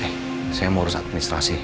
nih saya mau urus administrasi